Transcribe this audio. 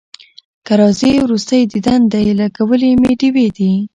که راځې وروستی دیدن دی لګولي مي ډېوې دي